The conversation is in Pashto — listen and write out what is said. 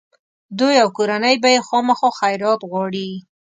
دوی او کورنۍ به یې خامخا خیرات غواړي.